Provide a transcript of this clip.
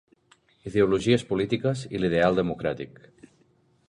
Ideologies polítiques i l'ideal democràtic.